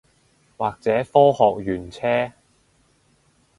或者科學園車